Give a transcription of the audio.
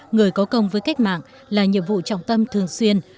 người có công với cách mạng là nhiệm vụ trọng tâm thường xuyên